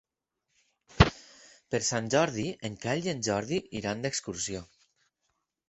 Per Sant Jordi en Quel i en Jordi iran d'excursió.